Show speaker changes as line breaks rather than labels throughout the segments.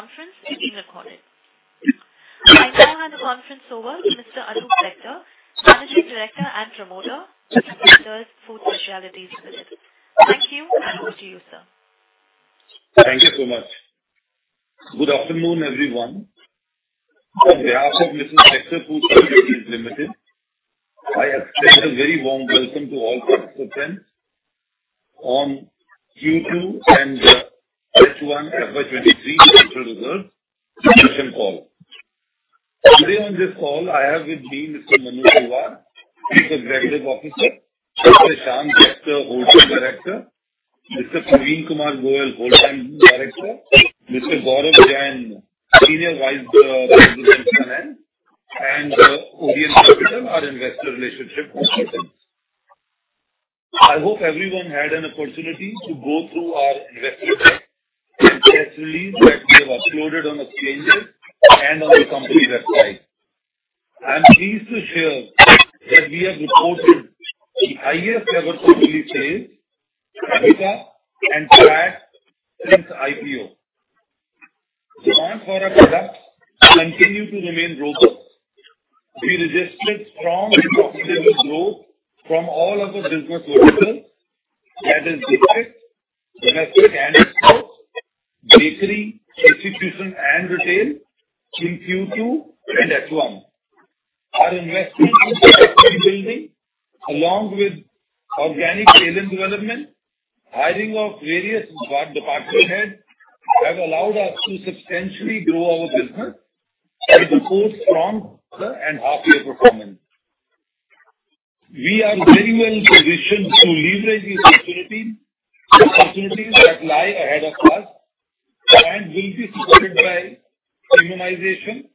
This conference is being recorded. I now hand the conference over to Mr. Anoop Bector, Managing Director and Promoter, Mrs. Bectors Food Specialities Limited. Thank you, and over to you, sir.
Thank you so much. Good afternoon, everyone. On behalf of Mrs. Bectors Food Specialities Limited, I extend a very warm welcome to all participants on Q2 and H1 FY 23 financial results discussion call. Today on this call, I have with me Mr. Manu Talwar, Chief Executive Officer; Mr. Ishaan Bector, Whole Time Director; Mr. Parveen Kumar Goel, Whole Time Director; Mr. Gaurav Jain, Senior Vice President and MD; and Orient Capital, our Investor Relations Team. I hope everyone had an opportunity to go through our investor deck and press release that we have uploaded on the exchanges and on the company website. I'm pleased to share that we have reported the highest ever quarterly sales, EBITDA, and PAT since IPO. Demand for our products continue to remain robust. We registered strong double-digit growth from all of the business verticals, that is, biscuits, domestic and exports, bakery, institution, and retail in Q2 and H1. Our investments in capacity building, along with organic sales and development, hiring of various department heads, have allowed us to substantially grow our business and report strong half year performance. We are very well positioned to leverage these opportunities, the opportunities that lie ahead of us and will be supported by urbanization,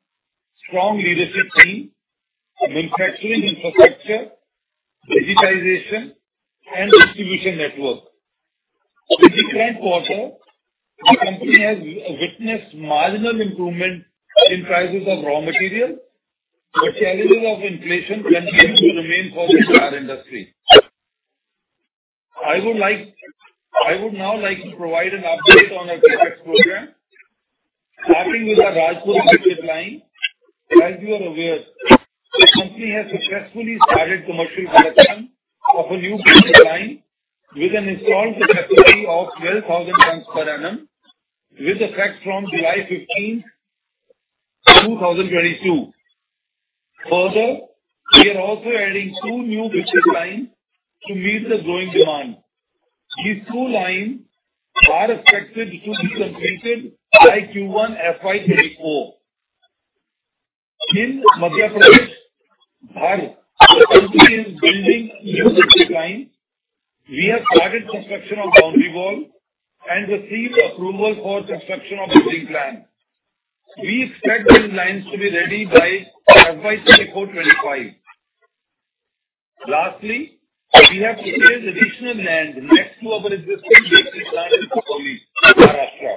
strong leadership team, manufacturing infrastructure, digitization, and distribution network. In the current quarter, the company has witnessed marginal improvement in prices of raw material, but challenges of inflation continue to remain for our industry. I would now like to provide an update on our biscuit program, starting with our Rajpura biscuit line. As you are aware, the company has successfully started commercial production of a new biscuit line with an installed capacity of 12,000 tons per annum, with effect from 15 July 2022. Further, we are also adding two new biscuit lines to meet the growing demand. These two lines are expected to be completed by Q1 FY 2024. In Madhya Pradesh, Dhar, the company is building new biscuit line. We have started construction of boundary wall and received approval for construction of building plan. We expect these lines to be ready by FY 2024-2025. Lastly, we have cleared additional land next to our existing bakery plant in Pune, Maharashtra.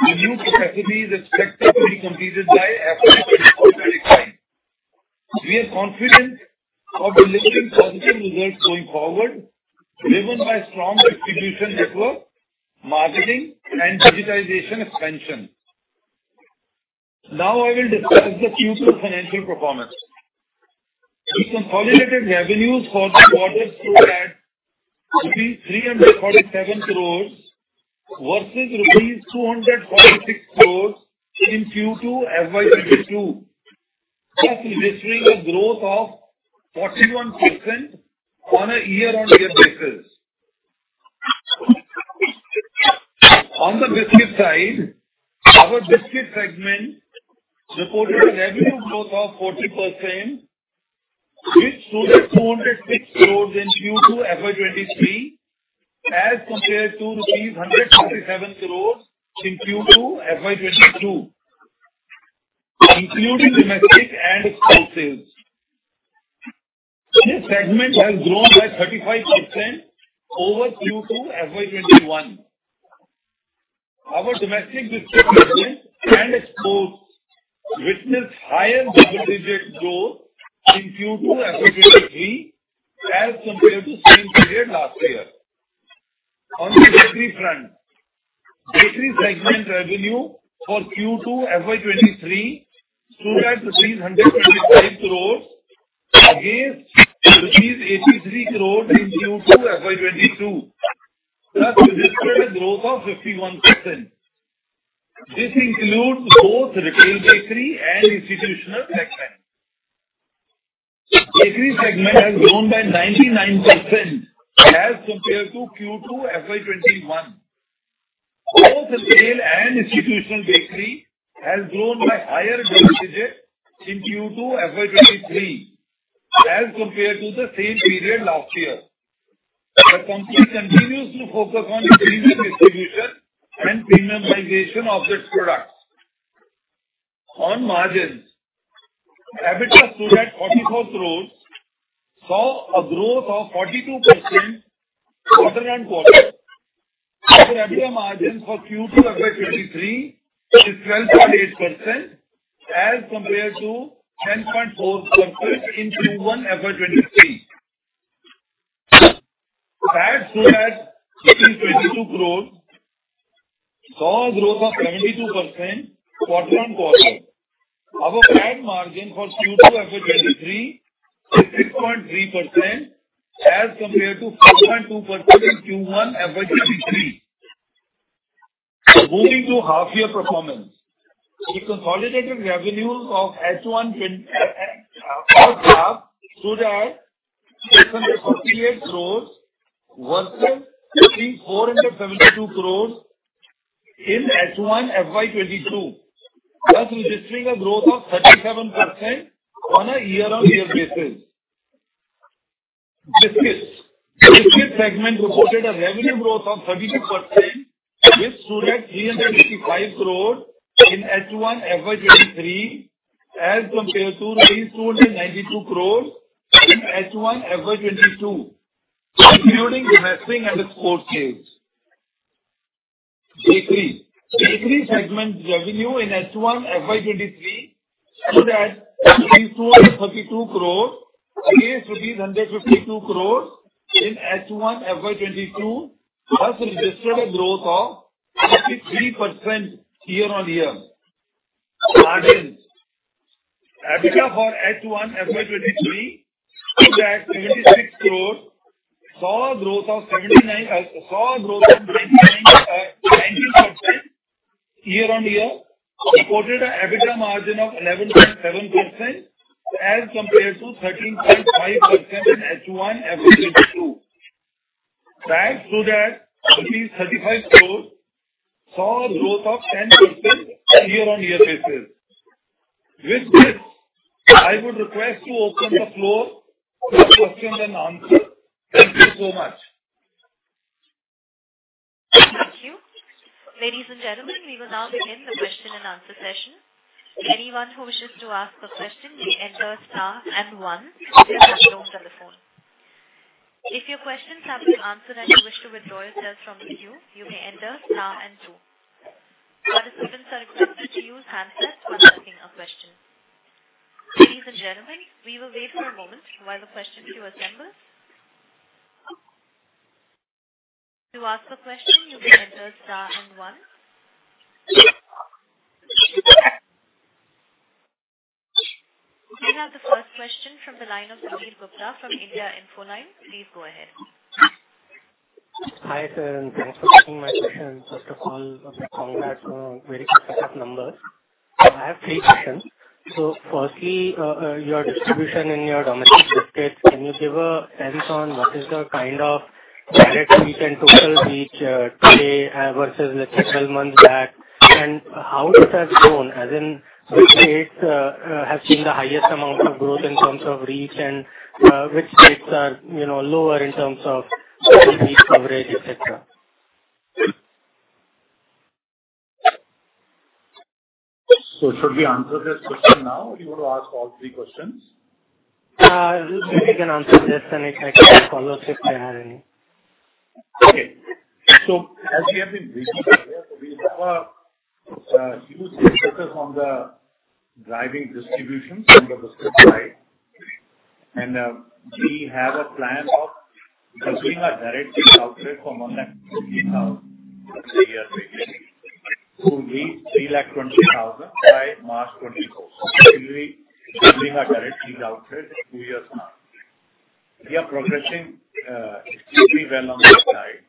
The new capacity is expected to be completed by FY 2025. We are confident of delivering positive results going forward, driven by strong distribution network, marketing, and digitization expansion. Now, I will discuss the Q2 financial performance. The consolidated revenues for the quarter stood at rupees 347 crore, versus rupees 246 crore in Q2 FY 2022, thus registering a growth of 41% on a year-on-year basis. On the biscuit side, our biscuit segment reported a revenue growth of 40%, which stood at rupees 206 crore in Q2 FY 2023, as compared to rupees 137 crore in Q2 FY 2022, including domestic and export sales. This segment has grown by 35% over Q2 FY 2021. Our domestic biscuit segment and exports witnessed higher double-digit growth in Q2 FY 2023, as compared to same period last year. On the bakery front, bakery segment revenue for Q2 FY 2023 stood at INR 125 crore, against INR 83 crore in Q2 FY 2022, thus registered a growth of 51%. This includes both retail bakery and institutional segment. Bakery segment has grown by 99% as compared to Q2 FY 2021. Both retail and institutional bakery has grown by higher double digit in Q2 FY 2023, as compared to the same period last year. The company continues to focus on premium distribution and premium migration of its products. On margins, EBITDA stood at INR 44 crore, saw a growth of 42% quarter-on-quarter. Our EBITDA margin for Q2 FY 2023 is 12.8%, as compared to 10.4% in Q1 FY 2023. stood at 322 crore, saw a growth of 72% quarter-on-quarter. Our gross margin for Q2 FY 2023 is 6.3% as compared to 5.2% in Q1 FY 2023. Moving to half year performance. The consolidated revenues of H1 2023 stood at INR 648 crore, versus INR 3,472 crore in H1 FY 2022, thus registering a growth of 37% on a year-on-year basis. Business. Business segment reported a revenue growth of 36%, which stood at INR 385 crore in H1 FY 2023, as compared to INR 392 crore in H1 FY 2022, including domestic and export sales. Baker. Bakery segment revenue in H1 FY 2023 stood at INR 332 crore, against INR 352 crore in H1 FY 2022, thus registered a growth of 33% year-on-year. Margins. EBITDA for H1 FY 2023 stood at 76 crores, saw a growth of 79, saw a growth of 99, 19% year-on-year, reported a EBITDA margin of 11.7%, as compared to 13.5% in H1 FY 2022. PAT stood at 35 crores, saw a growth of 10% year-on-year basis. With this, I would request to open the floor for Q&A. Thank you so much.
Thank you. Ladies and gentlemen, we will now begin the Q&A session. Anyone who wishes to ask a question, may enter star and one from your telephone. If your questions have been answered and you wish to withdraw yourself from the queue, you may enter star and two. Participants are requested to use handset off when asking a question. Ladies and gentlemen, we will wait for a moment while the question queue assembles. To ask a question, you may enter star and one. We have the first question from the line of Sameer Gupta from IIFL Securities. Please go ahead.
Hi, sir, and thanks for taking my question. First of all, congrats on very specific numbers. I have three questions. So firstly, your distribution in your domestic district, can you give a sense on what is the kind of direct reach and total reach, today, versus let's say 12 months back? And how it has grown, as in which states have seen the highest amount of growth in terms of reach and, which states are, you know, lower in terms of reach, coverage, etc.?
So, should we answer this question now or you want to ask all three questions?
You can answer this, and if I can follow up, if I have any.
Okay. So as we have been busy, we have huge focus on the driving distribution on the supply. And we have a plan of completing our direct sales outlet from 150,000 to 320,000 by March 2024. Actually, doubling our direct sales outlet in two years time. We are progressing extremely well on this side.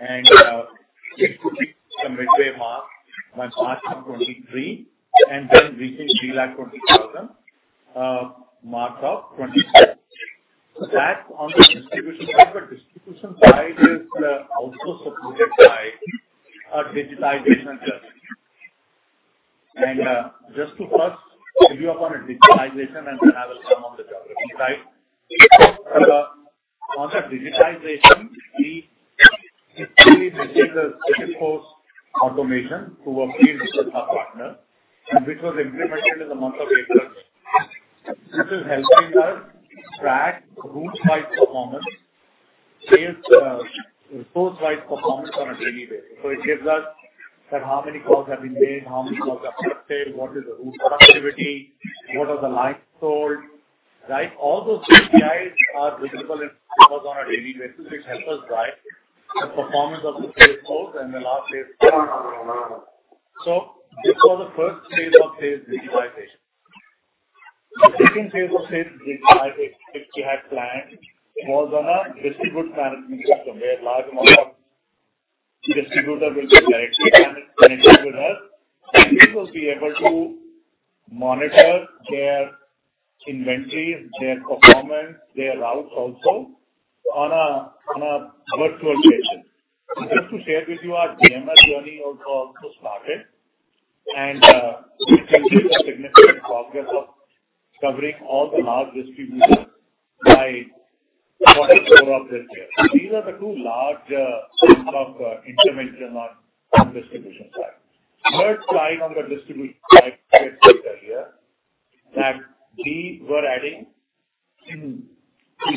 And it could be some midway mark by March of 2023, and then we think 320,000 mark by 2024. So that's on the distribution side, but distribution side is also supported by a digitization journey. And just to first give you upon a digitization, and then I will come on the journey side. On the digitization, we did the sales force automation to work with our partner, and which was implemented in the month of April. This is helping us track route-wide performance, sales, source-wide performance on a daily basis. So it gives us that how many calls have been made, how many calls are accepted, what is the route productivity, what are the lines sold, right? All those KPIs are visible in sales on a daily basis, which help us drive the performance of the sales force and the last sales. So this was the first phase of the digitization. The second phase of the digitization which we had planned was on a distributor management system, where large amount of distributor will be directly connected with us, and we will be able to monitor their inventory, their performance, their routes also on a virtual station. Just to share with you, our DMS journey has also started and we've made a significant progress of covering all the large distributors by Q4 of this year. These are the two large interventions on distribution side. Third slide on the distribution that we were adding in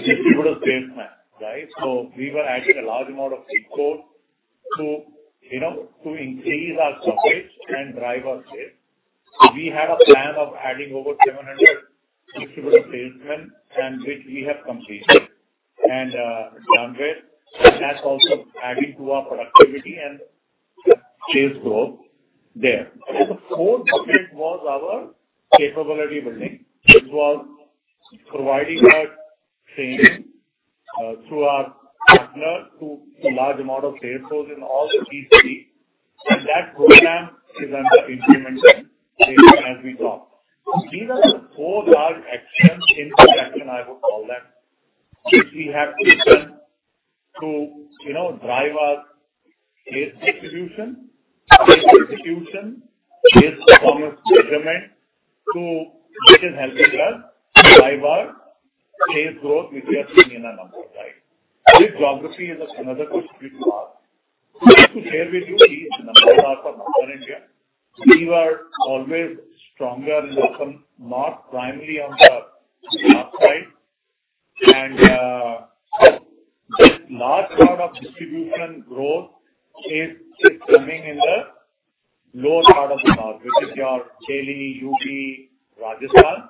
distributor sales map, right? So we were adding a large amount of stockists to, you know, to increase our coverage and drive our sales. So we had a plan of adding over 700 distributor placement, and which we have completed. And done with, and that's also adding to our productivity and sales growth there. The fourth bit was our capability building, which was providing our training through our partner to large amount of sales force in all the key city. And that roadmap is under implementation as we talk. These are the four large actions, in action I would call them, which we have taken to, you know, drive our sales execution, sales execution, sales performance measurement, to, which is helping us drive our sales growth, which we are seeing in our numbers, right? Geography is another question we have. To share with you, these numbers are from Northern India. We were always stronger in the north, not primarily on the south side. And, the large part of distribution growth is coming in the lower part of the north, which is your Delhi, UP, Rajasthan.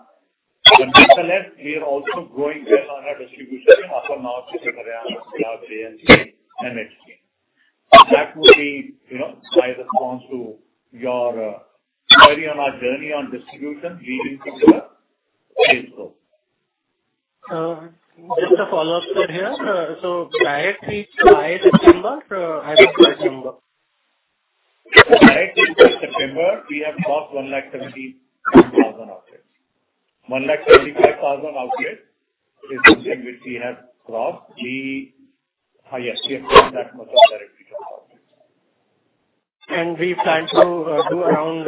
But nevertheless, we are also growing our distribution upper north, which is Haryana, Punjab, J&K, Himachal. That would be, you know, my response to your query on our journey on distribution leading to the sales growth.
Just a follow-up, sir, here. So directly by September, adding to September.
By September, we have crossed 175,000 outlets. 175,000 outlets is the thing which we have crossed. We, yes, we have crossed that much directly to the outlets.
We plan to do around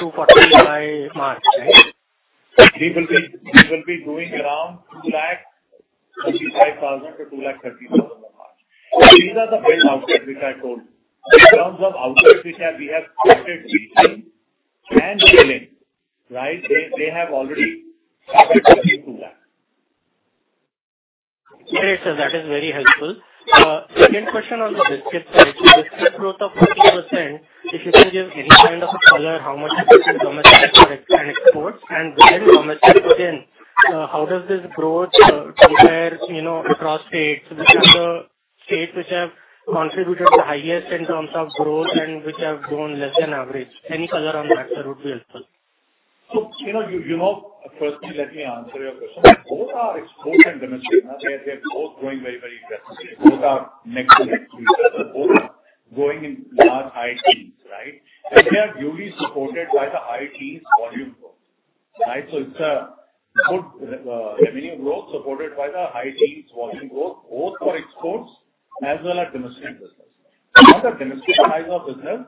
240 by March, right?
We will be, we will be doing around 225,000-230,000 by March. These are the big outlets which I told you. In terms of outlets which have- we have started recently and dealing, right, they, they have already added up to that.
Great, sir. That is very helpful. Second question on the biscuit side. So biscuit growth of 40%, if you can give any kind of a color, how much is it in domestic and exports? And within domestic, again, how does this growth compare, you know, across states? Which are the states which have contributed the highest in terms of growth and which have grown less than average? Any color on that, sir, would be helpful.
So, you know, you know, firstly, let me answer your question. Both our exports and domestic, they are, they are both growing very, very aggressively. Both are neck to neck. Both are growing in large high teens, right? They are duly supported by the high teens volume growth, right? So it's a good revenue growth supported by the high teens volume growth, both for exports as well as domestic business. On the domestic side of business,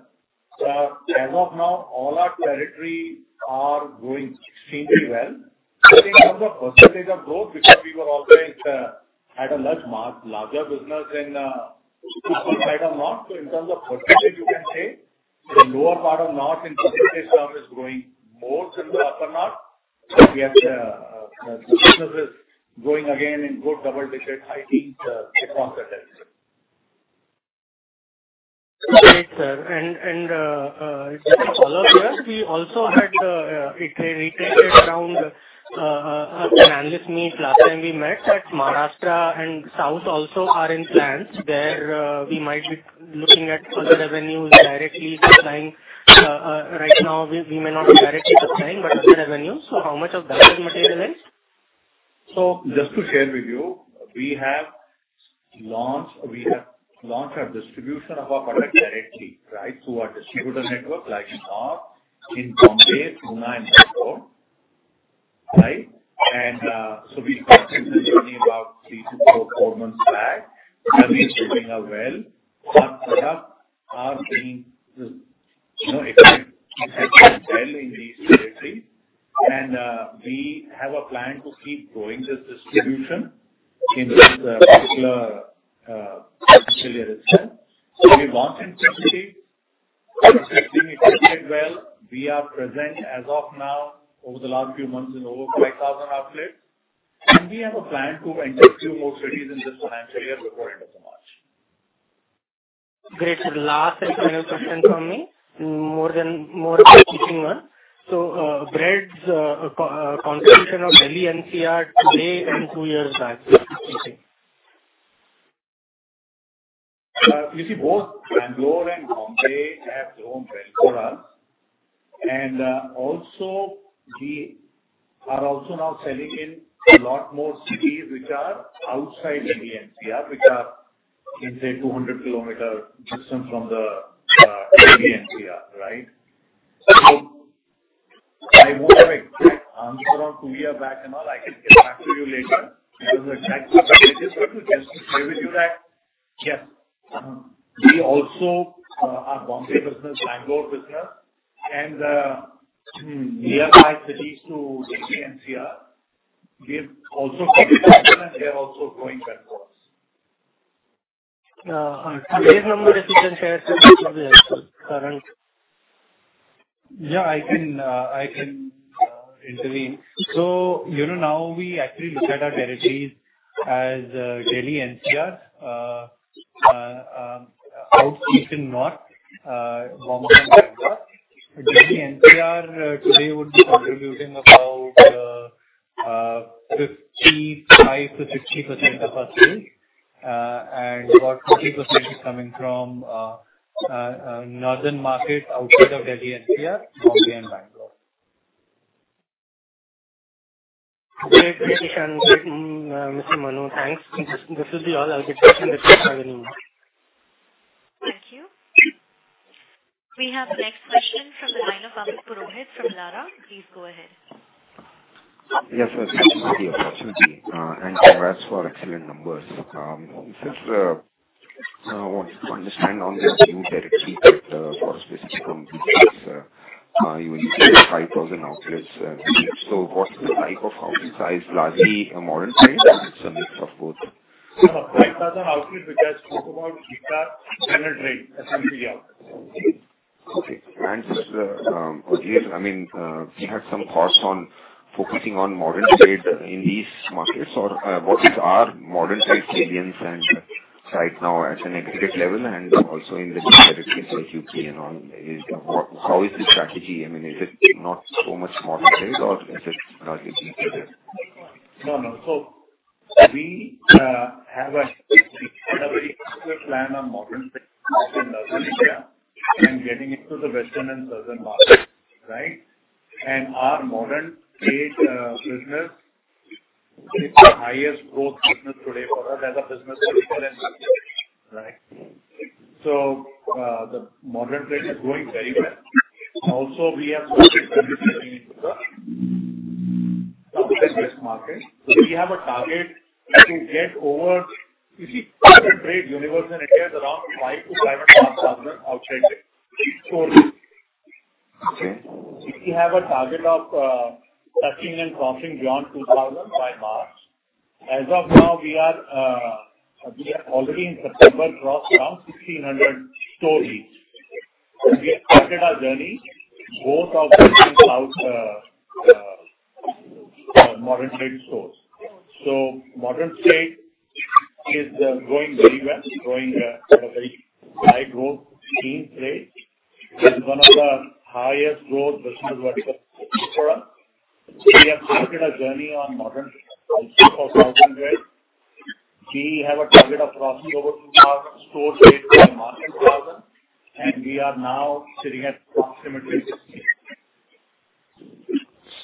as of now, all our territory are growing extremely well. But in terms of percentage of growth, because we had a large market, larger business in South side or North. So in terms of percentage, you can say the lower part of North in percentage term is growing more than the upper North. We have businesses growing again in good double digits, high teens, percentage.
Great, sir. Just a follow here. We also had it reiterated around an analyst meet last time we met, that Maharashtra and South also are in plans where we might be looking at further revenues directly supplying. Right now, we may not be directly supplying, but other revenues. So how much of that is materialized?
So just to share with you, we have launched, we have launched our distribution of our product directly, right, through our distributor network, like DMart in Mumbai, Pune, and Bengaluru, right? And so we started this journey about three to four, four months back, and it's doing well. Our products are seeing, you know, accepted well in these territories. And we have a plan to keep growing this distribution in these particular region. So we launched in Delhi, it is doing extremely well. We are present as of now over the last few months in over 5,000 outlets, and we have a plan to enter two more cities in this financial year before end of the March.
Great. So the last and final question from me, more of a teaching one. So, breads competition of Delhi NCR today and two years back, what do you think?
You see, both Bengaluru and Mumbai have grown well for us. And also we are also now selling in a lot more cities which are outside Delhi NCR, which are in, say, 200-kilometer distance from the Delhi NCR, right? So I won't have an exact answer on two year back and all. I can get back to you later, because the fact just to share with you that, yes, we also our Mumbai business, Bengaluru business, and nearby cities to Delhi NCR, we have also and they are also growing very fast.
Base number, if you can share with the current?
Yeah, I can intervene. So, you know, now we actually look at our territories as Delhi NCR, out in north, Bombay and Bangalore. Delhi NCR today would be contributing about 55%-60% of our sales, and about 40% is coming from northern market outside of Delhi NCR, Bombay and Bangalore.
Great, great, Ishaan. Mr. Manu, thanks. This will be all. I'll get back in touch with you.
Thank you. We have the next question from the line of Akhil Parekh from Elara. Please go ahead.
Yes, sir. Thank you for the opportunity, and congrats for excellent numbers. Just, I want to understand on this, you directly get, for a specific competition, you will use 5,000 outlets. So what's the type of outlet size, largely a modern size, or it's a mix of both?
5,000 outlets, which I spoke about, is our standard rate, essentially, yeah.
Okay. And, okay, I mean, we had some thoughts on focusing on modern trade in these markets or, what is our modern trade cadence and right now at an aggregate level and also in the direct case, like U.K. and all. How is the strategy? I mean, is it not so much modern trade or is it largely modern trade?
No, no. So we have a plan on modern trade in Northern India, and getting into the Western and Southern markets, right? And our modern trade business is the highest growth business today for us as a business, right? So, the modern trade is going very well. Also, we have market. So we have a target to get over, you see, modern trade universe in India is around 5,000-5500 outlets.
Okay.
We have a target of touching and crossing beyond 2,000 by March. As of now, we are already in September, crossed around 1,600 stores. We have started our journey, both of them out, Modern Trade stores. So Modern Trade is going very well, growing at a very high growth scene rate, and one of the highest growth business vertical for us. We have started a journey on Modern Trade for thousand trade. We have a target of crossing over 2000 stores by March, 2000, and we are now sitting at approximately-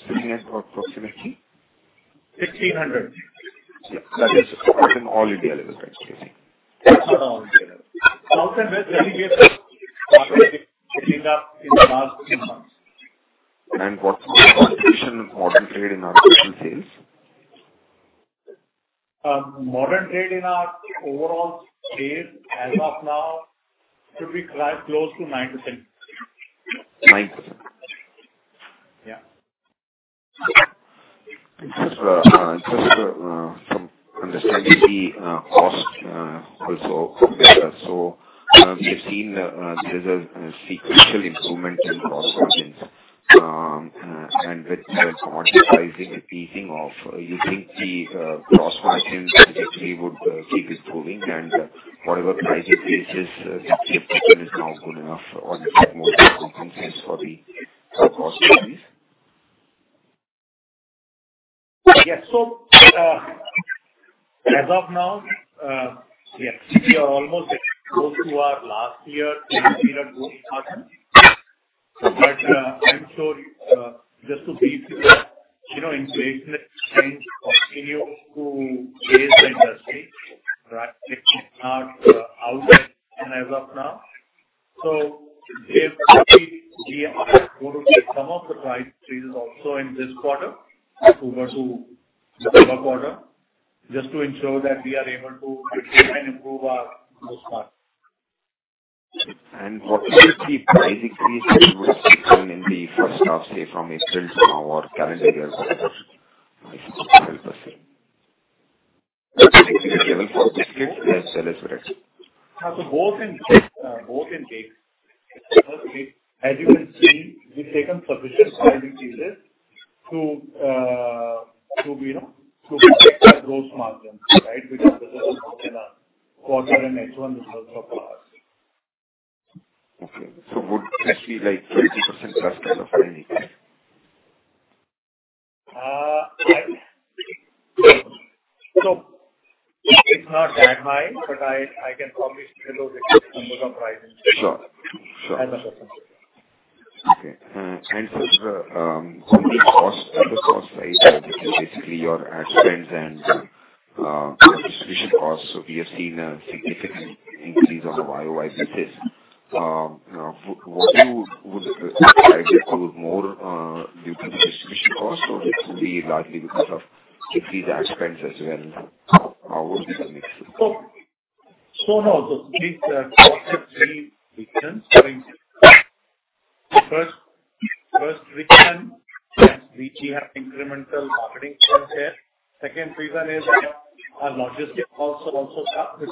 Sitting at approximately?
1,600.
Yeah, that is in all India level, right?
Not all India. Southern best, we gave up in the last three months.
What's the competition of modern trade in our sales?
Modern Trade in our overall sales as of now should be quite close to 90%.
9%?
Yeah.
Just from understanding the cost also. So, we have seen there's a sequential improvement in cost margins. And with the margin sizing, the easing off, do you think the cost margins actually would keep improving and whatever price increases is now good enough or more consensus for the cost side?
Yes. So, as of now, yes, we are almost close to our last year, but, I'm sure, just to be clear, you know, inflation change continues to face the industry, right? It is not outside as of now. So if we are going to get some of the price increases also in this quarter over to the fourth quarter, just to ensure that we are able to maintain and improve our gross margin.
What is the price increase which will come in the first half, say, from April to our calendar year?
So both in case. As you can see, we've taken sufficient pricing increases to, you know, to protect our gross margin, right? Because this is in our quarter and H1 results so far.
Okay. So would actually, like, 20%+ kind of unique?
So it's not that high, but I, I can promise you those numbers are rising.
Sure. Sure.
100%.
Okay. And so, cost, on the cost side, which is basically your ad spend and, distribution costs. So we have seen a significant increase on the YoY basis. Would you, would I include more, due to the distribution cost, or it will be largely because of the increase ad spends as well? How, what is the mix?
So, these are three reasons. First reason, we have incremental marketing spends here. Second reason is our logistic costs have also stopped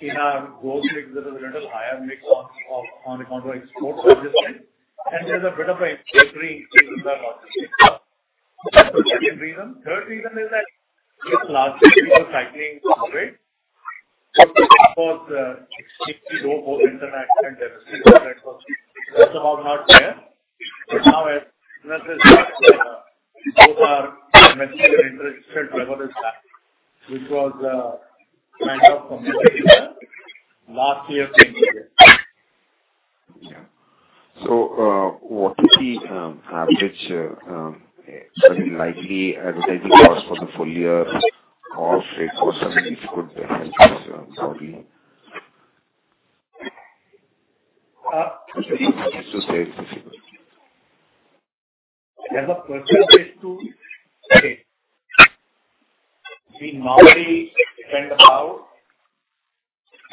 because we have growth mix that is a little higher mix on the count of export logistics, and there's a bit of an increase in the logistics. Third reason is that last year cycling was great because 62 more international that's about not there. But now as business, those are material interest rate level is back, which was kind of last year.
Yeah. So, what is the average likely advertising cost for the full year or for some if you could help us, sorry?
As a purchase is to say, we normally spend about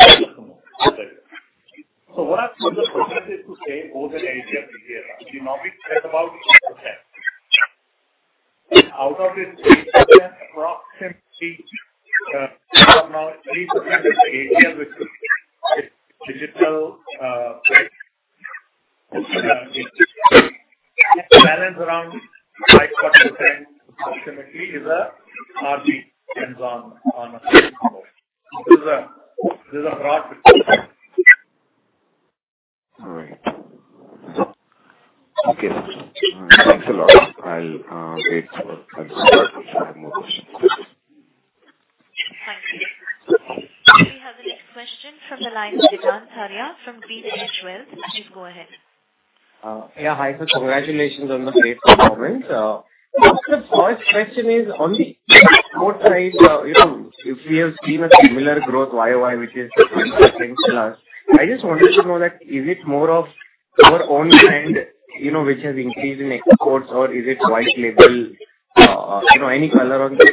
10%. So what I'm sure the process is to say, both in Asia and here, we normally spend about 10%. Out of this approximately, about 3% is Asia, which is digital, balance around 5%, approximately, is, on, on a, this is a broad picture.
All right. Okay, thanks a lot. I'll wait for more questions.
Thank you. We have the next question from the line of Digant Haria from GreenEdge Wealth. Please go ahead.
Yeah. Hi, so congratulations on the great performance. First question is on the export side, you know, if we have seen a similar growth YOY, which is close, I just wanted to know that is it more of your own brand, you know, which has increased in exports, or is it white label? You know, any color on this?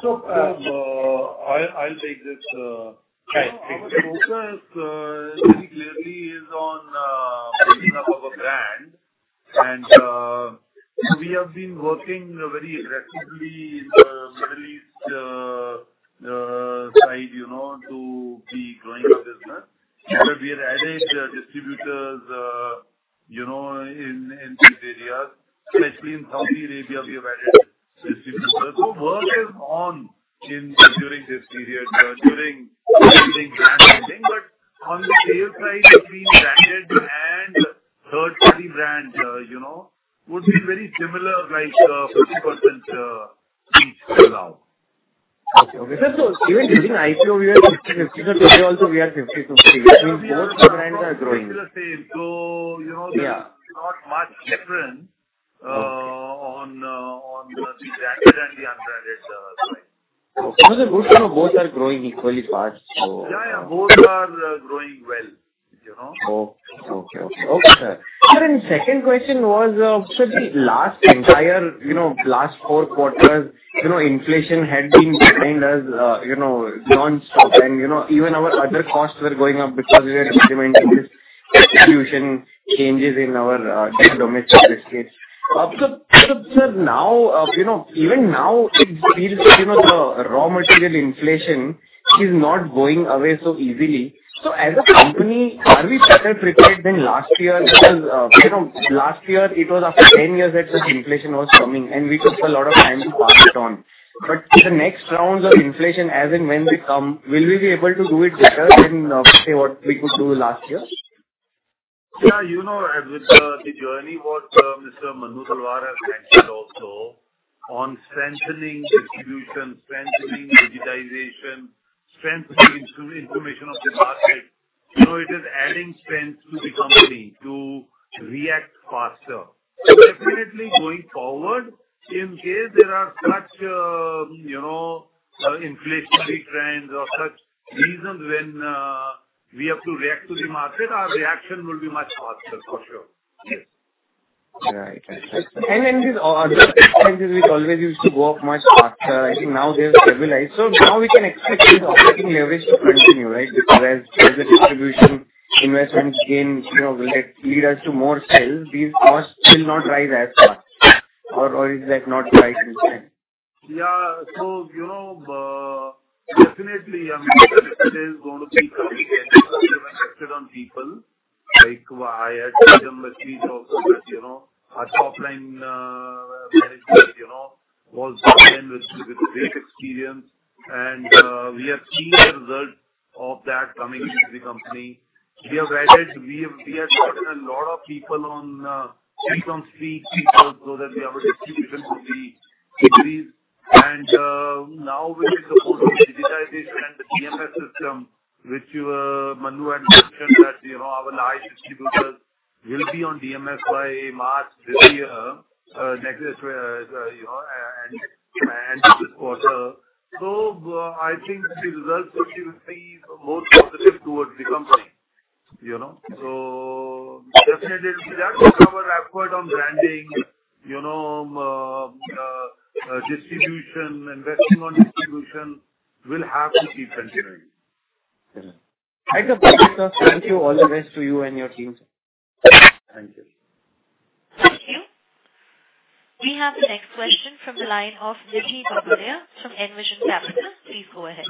So, I'll take this. Our focus, very clearly is on, building up our brand. And, we have been working very aggressively in the Middle East, side, you know, to be growing the business. But we have added distributors, you know, in, in these areas, especially in Saudi Arabia, we have added distributors. So work is on in during this period, during branding. But on the air side, between branded and third-party brand, you know, would be very similar, like, 50%, each for now.
Okay. So even during IPO, we are 50/50, so also we are 50/50. Both brands are growing.
So, you know-
Yeah.
Not much difference on the branded and the unbranded brand.
Okay. So both are growing equally fast, so-
Yeah, yeah, both are growing well, you know.
Okay, okay. Okay, sir. Sir, and second question was, so the last entire, you know, last four quarters, you know, inflation had been behind us, nonstop, and, you know, even our other costs were going up because we were implementing this distribution changes in our domestic biscuit case. Sir, sir, now, even now, it feels, you know, the raw material inflation is not going away so easily. So as a company, are we better prepared than last year? Because, you know, last year it was after 10 years that such inflation was coming, and we took a lot of time to pass it on. But the next rounds of inflation, as and when they come, will we be able to do it better than, say, what we could do last year?
Yeah, you know, as with the journey what Mr. Manu Talwar has mentioned also on strengthening distribution, strengthening digitization, strengthening information of the market, you know, it is adding strength to the company to react faster. Definitely going forward, in case there are such, you know, inflationary trends or such reasons when we have to react to the market, our reaction will be much faster, for sure.
Right. And with all always used to go up much faster. I think now they're stabilized. So now we can expect this operating leverage to continue, right? Because as the distribution investments gain, you know, will lead us to more sales, these costs will not rise as fast. Or is that not right to say?
Yeah. So, you know, definitely, I mean, it is going to be coming on people like I had mentioned that, you know, our top line management, you know, was with great experience. And we have seen the result of that coming into the company. We have added. We have gotten a lot of people on street on street so that we have a distribution for the degrees. And now with the support of digitization and the DMS system, which Manu had mentioned that, you know, our live distributors will be on DMS by March this year, next, you know, and this quarter. So I think the results which you will see more positive towards the company, you know. So, definitely, that our effort on branding, you know, distribution, investing on distribution will have to be continuing.
Thank you. All the best to you and your team.
Thank you.
Thank you. We have the next question from the line of Nidhi Babaria from Envision Capital. Please go ahead.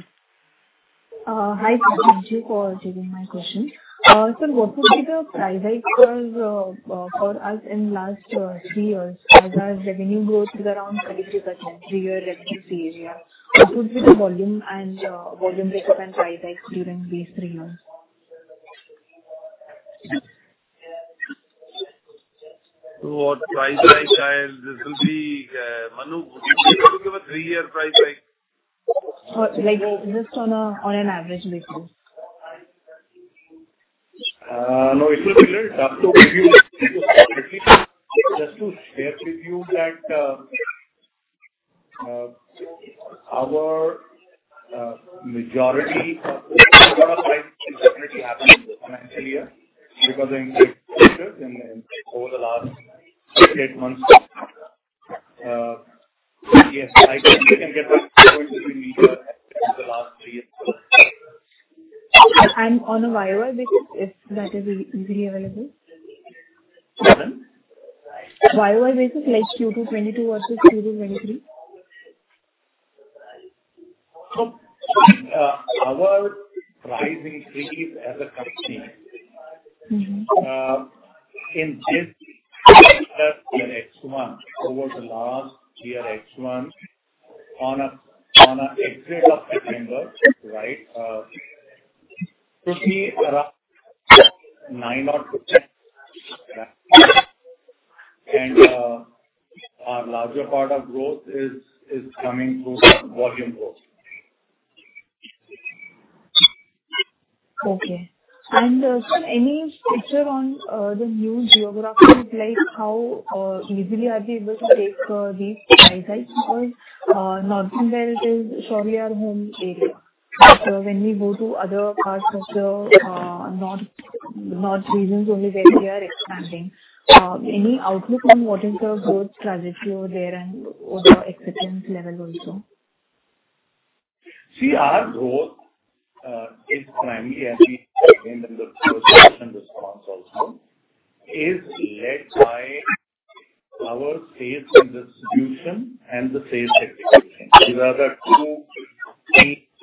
Hi, thank you for taking my question. So what would be the price hike for us in last three years as our revenue growth is around 32% three year at this area? What would be the volume and volume mix and price hike during these three years?
So what price hike, I guess, this will be, Manu, could you give a three-year price hike?
Like just on a, on an average basis.
No, it will be little tough to give you. Just to share with you that, our majority of price is definitely happening this financial year, because, like, over the last six, eight months. Yes, I think you can get the between the last three years.
On a YoY basis, if that is easily available.
Pardon?
YoY basis, like Q2 2022 versus Q2 2022.
Our pricing increase as a company In just the FY 2021, over the last FY 2021, as of September, right, could be around nine odd percent. Our larger part of growth is coming through volume growth.
Okay. And, sir, any picture on the new geographies, like how easily are they able to take these price hikes? Because northern belt is surely our home area. But when we go to other parts of the north regions only where we are expanding. Any outlook on what is the growth trajectory there and what the acceptance level also?
See, our growth is primarily, as we explained in the question response also, is led by our sales and distribution and the sales execution. These are the two key areas driving our sales growth, which is bringing larger number of outlets, making sure SKU effect, and doing it well, larger portfolio.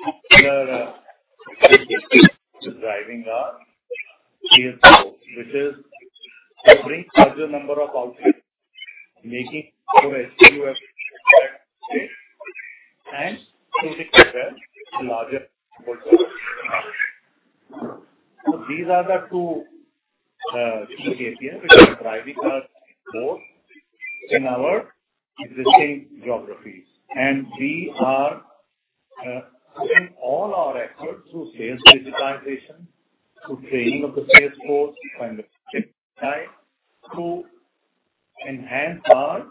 So these are the two key areas which are driving our growth in our existing geographies. And we are putting all our efforts through sales digitization, through training of the sales force and the street side to enhance our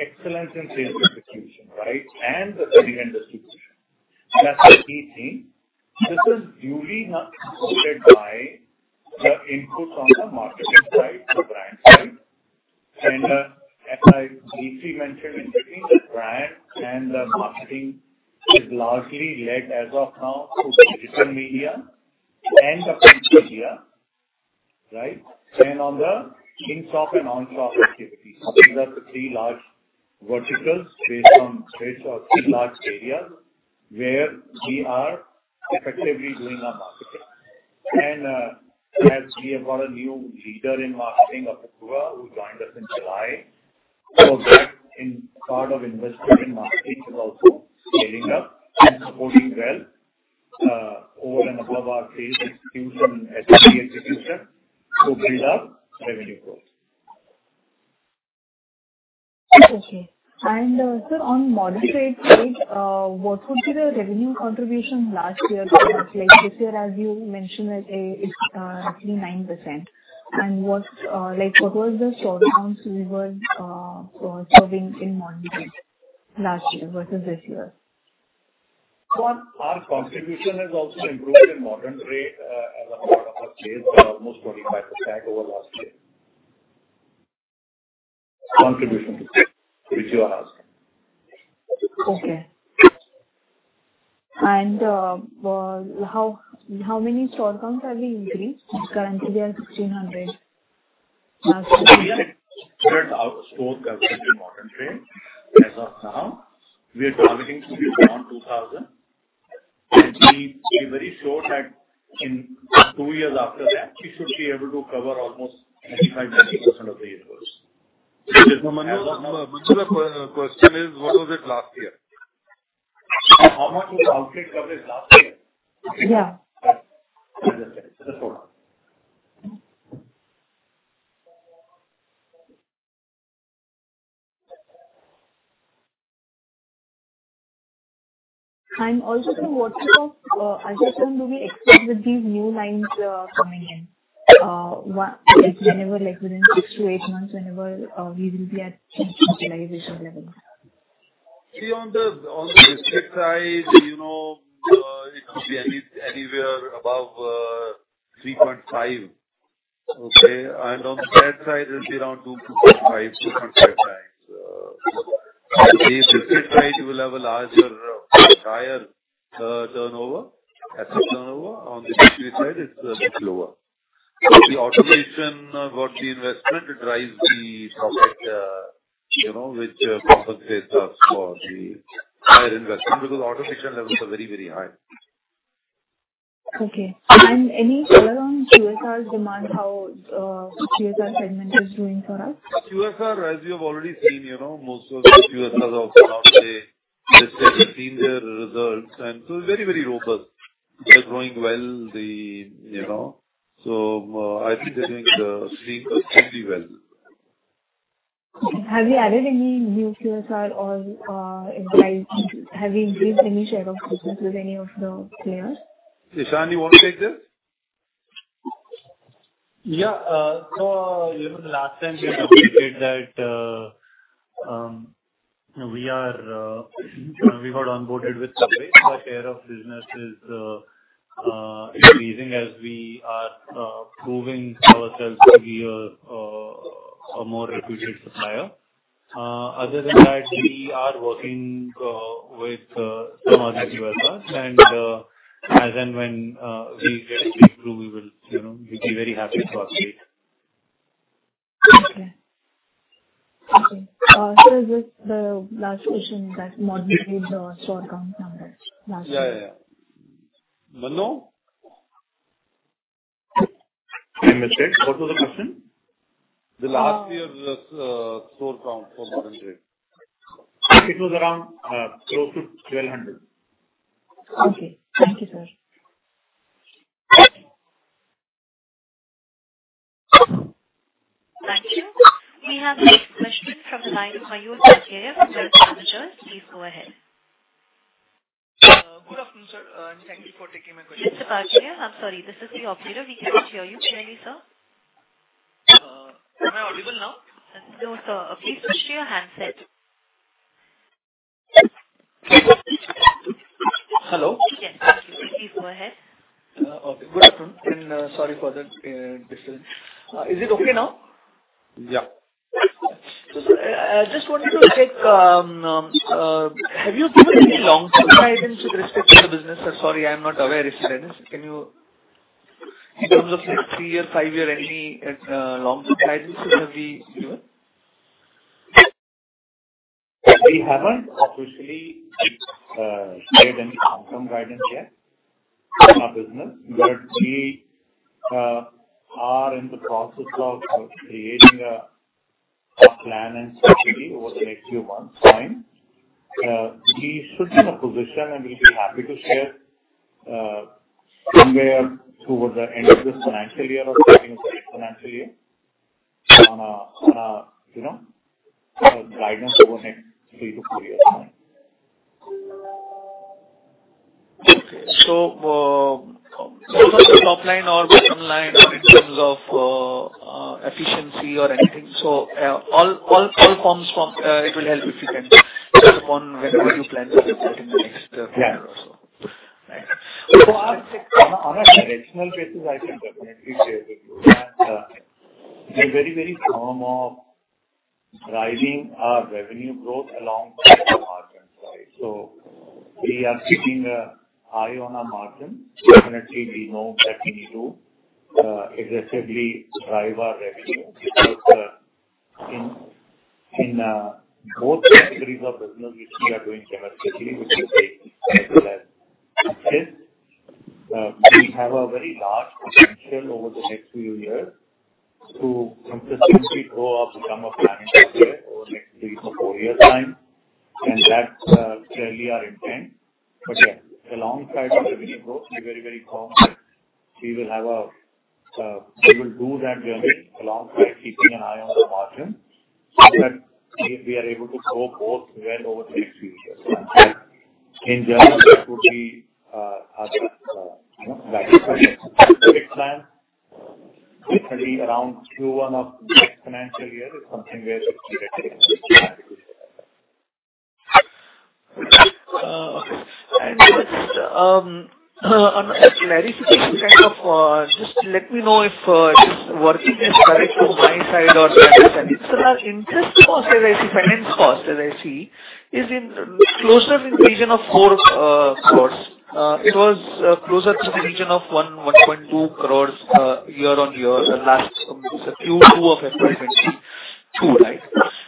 excellence in sales execution, right, and the distribution. That's the key thing. This is duly supported by the inputs on the marketing side, the brand side. As I briefly mentioned in between, the brand and the marketing is largely led as of now through digital media and the print media, right, and on the in-shop and on-shop activities. These are the three large verticals based on trade or three large areas where we are effectively doing our marketing. As we have got a new leader in marketing, Apoorva, who joined us in July, so that in part of investment in marketing is also scaling up and supporting well, over and above our sales execution as execution to build our revenue growth.
Okay. And, sir, on modern trade side, what would be the revenue contribution last year? Like, this year, as you mentioned, that it's actually 9%. And what, like, what was the store counts we were serving in modern trade last year versus this year?
Our contribution has also improved in modern trade, as a part of our sales, almost 45% over last year. Contribution, which you are asking.
Okay. And, how many store counts have we increased? Currently, we are 1,600.
We had store count in modern trade. As of now, we are targeting to be around 2,000, and we, we're very sure that in two years after that, we should be able to cover almost 95%, 90% of the universe.
Manu, the, Manu, the question is, what was it last year?
How much was the outlet coverage last year?
Yeah.
Just hold on.
And also, sir, what are the other things do we expect with these new lines coming in? What, like whenever, like within six to eight months, whenever we will be at stabilization level.
See, on the street side, you know, it could be anywhere above 3.5, okay? And on the trade side, it'll be around 2.5, 2.5x. The street side, you will have a larger, higher turnover, asset turnover. On the street side, it's a bit lower. So the automation got the investment to drive the profit, you know, which compensates us for the higher investment, because automation levels are very, very high.
Okay. And any color on QSRs demand, how QSR segment is doing for us?
QSR, as you have already seen, you know, most of the QSRs are now, they, they've seen their results, and so very, very robust. They're growing well, you know, so, I think they're doing, extremely, extremely well.
Have you added any new QSR or, have you increased any share of business with any of the players?
Ishaan, you want to take this?
Yeah. So, you know, the last time we had updated that, we got onboarded with coverage. The share of business is increasing as we are proving ourselves to be a more reputed supplier. Other than that, we are working with some other QSRs, and as and when we get through, we will, you know, we'd be very happy to update.
Okay. Okay. Sir, just the last question that Modern Trade store count numbers?
Yeah, yeah, yeah. Manu?
I missed it. What was the question?
The last year's store count for Modern Trade. It was around close to 1,200.
Okay. Thank you, sir.
Thank you. We have next question from the line of Mayur Parkeria from Wealth Managers. Please go ahead.
Good afternoon, sir, and thank you for taking my question.
Mr. Parkeria, I'm sorry, this is the operator. We cannot hear you clearly, sir.
Am I audible now?
No, sir. Please switch to your handset.
Hello?
Yes, thank you. Please go ahead.
Okay. Good afternoon, and sorry for the disturbance. Is it okay now?
Yeah.
So sir, I just wanted to check, have you given any long-term guidance with respect to the business? Sorry, I'm not aware if there is. Can you, in terms of, like, three-year, five-year, any long-term guidance, have you given?
We haven't officially shared any outcome guidance yet in our business. But we are in the process of creating a plan and strategy over the next few months' time. We should be in a position, and we'll be happy to share somewhere towards the end of this financial year or beginning of the next financial year, on a, you know, a guidance over a three to four years' time.
In terms of top line or bottom line or in terms of efficiency or anything. It will help if you can touch upon whenever you plan to update in the next quarter or so.
Yeah.
Right.
So on a directional basis, I can definitely share with you. And, we're very, very firm of rising our revenue growth along the margin side. So we are keeping our eye on our margin. Definitely, we know that we need to aggressively drive our revenue, because in both categories of business, we see are doing dramatically, which is safe as well as this. We have a very large potential over the next few years to consistently grow up and become a planet player over the next three to four years' time, and that's clearly our intent. But, yeah, alongside the revenue growth, we're very, very firm that we will have a we will do that journey alongside keeping an eye on the margin, so that we are able to grow both well over the next few years. In general, that would be, our, you know, guidance. Plan definitely around Q1 of the next financial year is something where we'll be able to share.
Okay. Just on a clarity kind of, just let me know if this working is correct from my side or not. So the interest cost, as I see, finance cost, as I see, is in closer in the region of 4 crores. It was closer to the region of 1.2 crores year-on-year, the last Q2 of FY 2022, right?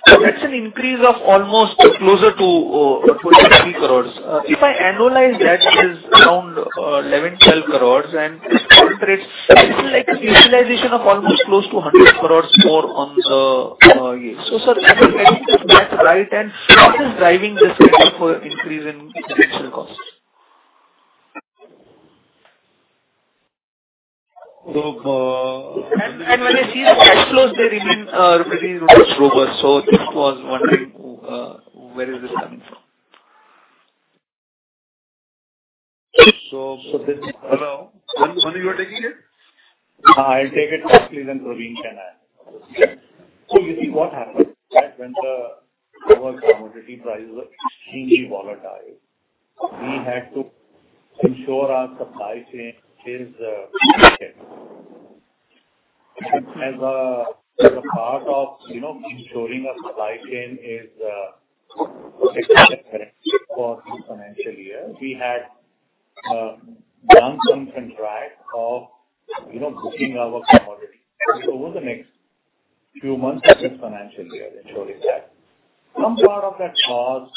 That's an increase of almost closer to 0.3 crores. If I annualize that, it is around 11, 12 crores, and current rates, it's like a utilization of almost close to 100 crores more on the year. So, sir, am I getting that right, and what is driving this increase in financial costs? When I see the cash flows, they remain remaining robust. So just was wondering where this is coming from?
Hello, Manu, you are taking it?
I'll take it quickly, then Parveen can add. You see what happened, that when our commodity prices were extremely volatile, we had to ensure our supply chain is okay. As a part of, you know, ensuring our supply chain is for this financial year, we had done some contract of, you know, booking our commodity. So over the next few months of this financial year, ensuring that some part of that cost,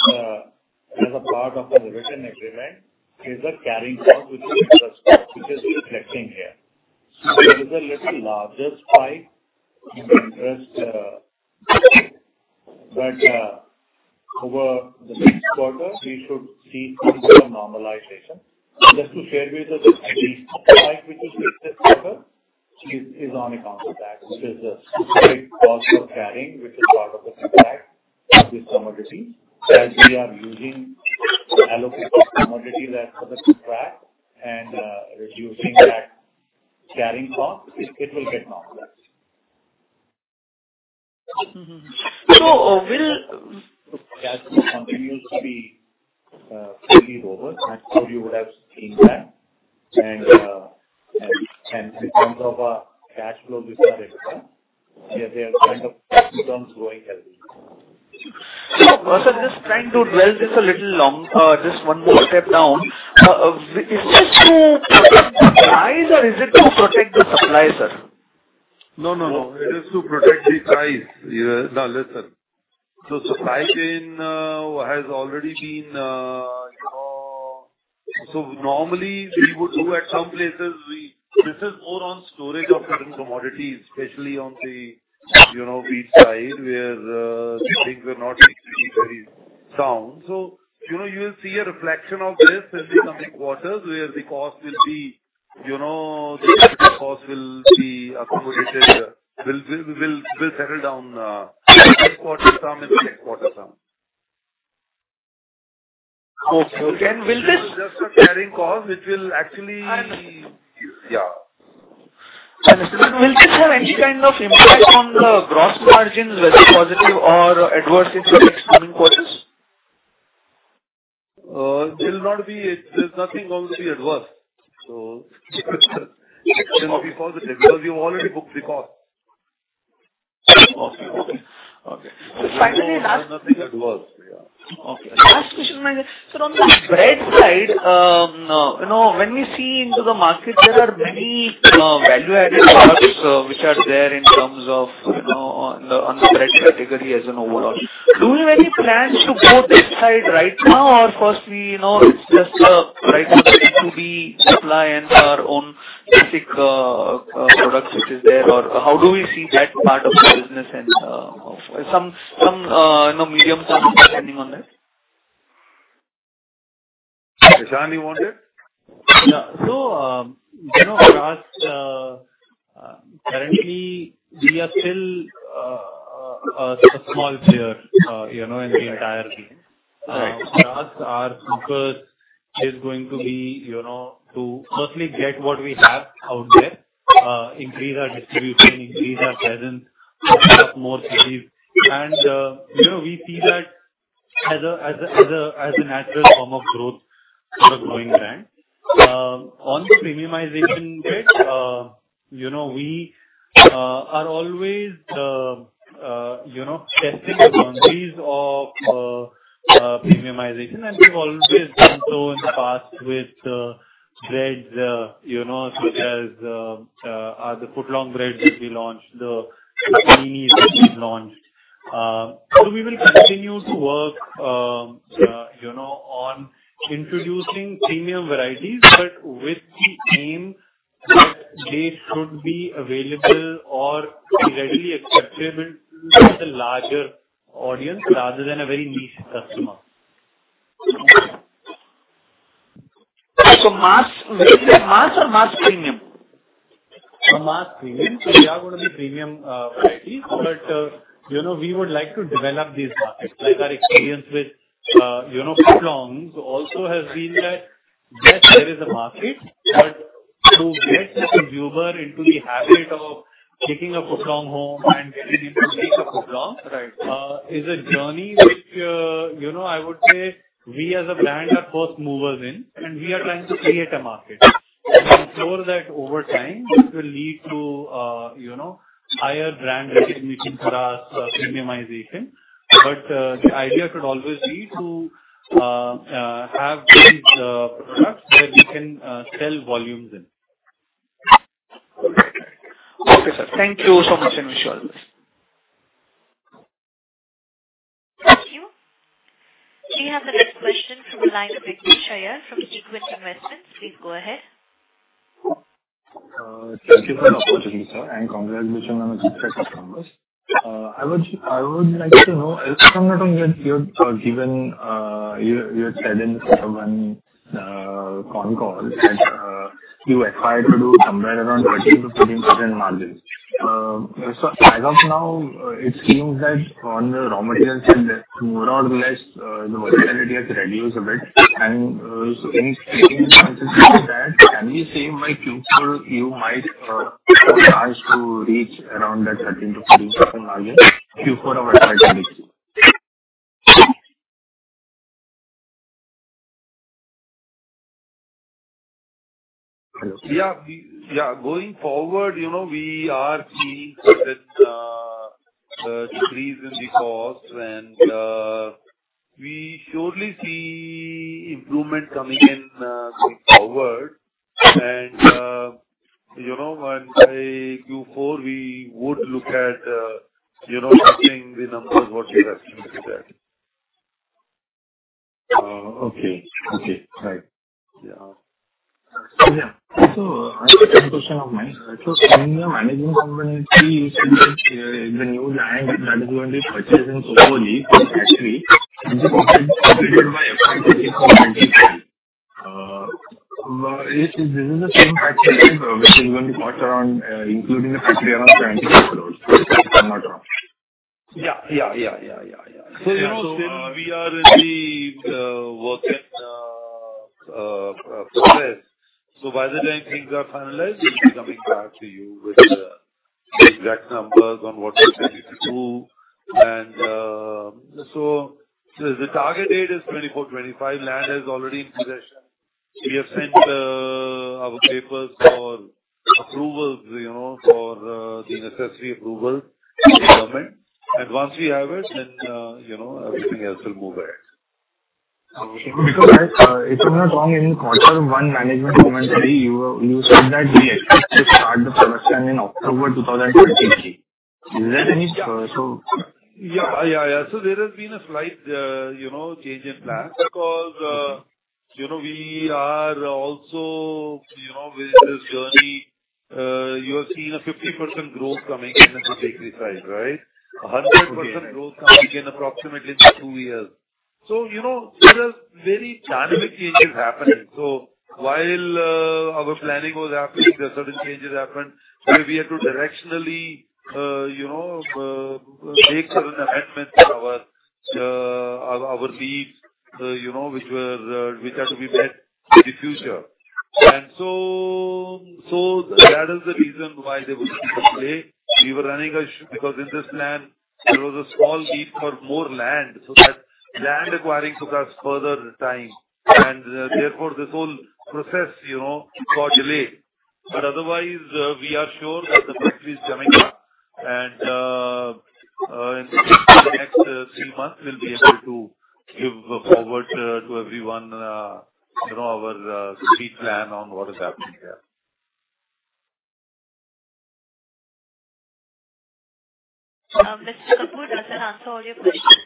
as a part of the written agreement, is a carrying cost, which is reflecting here. So it is a little larger spike in interest, but over the next quarter, we should see some sort of normalization. Just to share with you, the spike, which is this quarter, is on account of that, which is a specific cost of carrying, which is part of the contract of this commodity. As we are using allocated commodity that's under contract and reducing that carrying cost, it will get normalized.
So, will
Cash flow continues to be fully over. I'm sure you would have seen that. And in terms of cash flow, we are at it. They are kind of terms growing healthy.
So sir, just trying to drill this a little long, just one more step down. Is it to protect the price, or is it to protect the supply, sir?
No, no, no. It is to protect the price. Now, listen. So supply chain has already been, you know, so normally we would do at some places. This is more on storage of certain commodities, especially on the, you know, wheat side, where things are not very, very down. So, you know, you'll see a reflection of this in the coming quarters, where the cost will be, you know, the cost will be accommodated. We'll, we'll, we'll settle down, this quarter some and the next quarter some.
Okay. And will this-
Just a carrying cost, which will actually.
I understand. Will this have any kind of impact on the gross margin, whether positive or adverse, in the next coming quarters?
It will not be. There's nothing obviously adverse, so it will be positive because we've already booked the cost.
Okay. Okay.
There's nothing adverse. Yeah.
Okay. Last question, sir. So on the bread side, you know, when we see into the market, there are many value-added products which are there in terms of, you know, on the bread category as an overall. Do you have any plans to go this side right now? Or firstly, you know, it's just right now to be supply and our own basic products which is there, or how do we see that part of the business and some you know medium-term planning on that?
Ishaan, you want it?
Yeah. So, you know, for us, currently we are still a small player, you know, in the entire game. For us, our focus is going to be, you know, to firstly get what we have out there, increase our distribution, increase our presence across more cities. And, you know, we see that as a natural form of growth for a growing brand. On the premiumization bit, you know, we are always, you know, testing the boundaries of premiumization, and we've always done so in the past with breads, you know, such as the footlong breads, which we launched, the paninis which we've launched. We will continue to work, you know, on introducing premium varieties, but with the aim that they should be available or readily acceptable to the larger audience, rather than a very niche customer.
So, mass, is it mass or mass premium?
Mass premium. So we are going to be premium, variety, but, you know, we would like to develop these markets. Like our experience with, you know, footlongs also has been that, yes, there is a market, but to get the consumer into the habit of taking a footlong home and getting him to take a footlong, is a journey which, you know, I would say we as a brand are first movers in, and we are trying to create a market. And I'm sure that over time, this will lead to, you know, higher brand recognition for us, premiumization. But the idea should always be to have these products where we can sell volumes in.
Okay, sir. Thank you so much, and wish you all the best.
Thank you. We have the next question from the line of. Please go ahead.
Thank you for the opportunity, sir, and congrats on the good customer. I would like to know, you have given, you had said in one con call that you aspire to do somewhere around 13%-15% margins. So as of now, it seems that on the raw material side, more or less, the volatility has reduced a bit. And so any consistency that, can we say by Q4, you might try to reach around that 13%-14% margin, Q4 of current year?
Yeah, we, yeah, going forward, you know, we are seeing that decrease in the cost and we surely see improvement coming in, going forward. And, you know, by Q4, we would look at, you know, sharing the numbers what we have seen there.
Okay. Okay, right. Yeah. I have a question of mine. From the management company, you said that, the new land that is going to be purchased in totally, actually, is it by, is this the same factory which is going to cost around, including the factory, around [INR 20 million], if I'm not wrong?
Yeah. Yeah, yeah, yeah, yeah, yeah. So, you know, since we are in the working process, so by the time things are finalized, we'll be coming back to you with the exact numbers on what we're planning to do. And so the target date is 2024, 2025. Land is already in possession. We have sent our papers for approvals, you know, for the necessary approvals from the government. And once we have it, then you know, everything else will move ahead.
So, it's not long in Q1 management commentary, you, you said that we expect to start the production in October 2023. Is that any?
Yeah. Yeah, yeah. So there has been a slight change in plans because, you know, we are also, you know, with this journey, you have seen a 50% growth coming in in the bakery side, right? A 100% growth coming in approximately in two years. So, you know, there are very dynamic changes happening. So while our planning was happening, there are certain changes happened, where we had to directionally, you know, make certain amendments in our, our, our needs, you know, which were, which are to be met in the future. And so, so that is the reason why there was a delay. We were running short because in this land there was a small need for more land, so that land acquiring took us further time and, therefore, this whole process, you know, got delayed. But otherwise, we are sure that the factory is coming up and, in the next three months, we'll be able to give forward to everyone, you know, our street plan on what is happening there.
Mr. Kapoor, does that answer all your questions?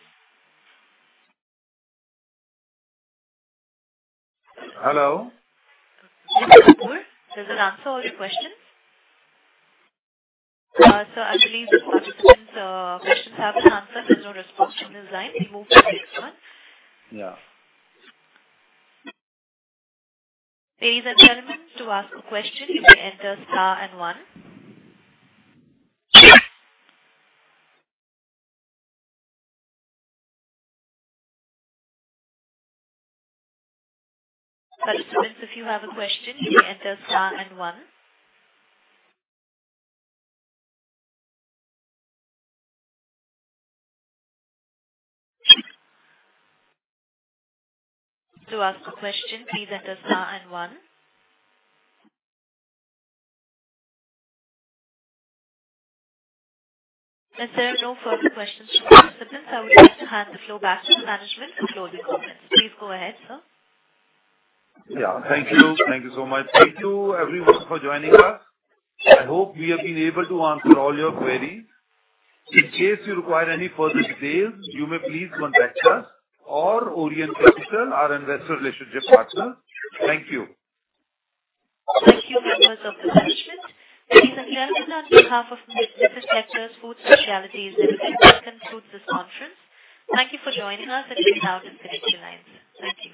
Hello?
Mr. Kapoor, does that answer all your questions? So I believe participants' questions have been answered. There's no response in the line. We move to the next one.
Yeah.
Please enter to ask a question, you may enter star and one. Participants, if you have a question, you may enter star and one. To ask a question, please enter star and one. As there are no further questions from the participants, I would like to hand the floor back to the management to close the conference. Please go ahead, sir.
Yeah, thank you. Thank you so much. Thank you everyone for joining us. I hope we have been able to answer all your queries. In case you require any further details, you may please contact us or Orient Capital, our investor relationship partner. Thank you.
Thank you, members of the management. Ladies and gentlemen, on behalf of Mrs. Bectors Food Specialities, we conclude this conference. Thank you for joining us, and please have a good night. Thank you.